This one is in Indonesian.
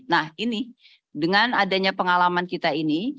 nah ini dengan adanya pengalaman kita ini